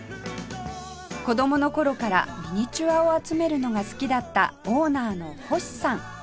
子供の頃からミニチュアを集めるのが好きだったオーナーの星さん